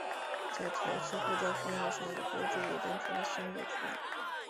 在土耳其护照封页上的标志为单纯的星月图案。